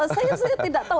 saya tidak tahu